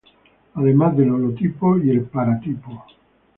Además del holotipo y el paratipo.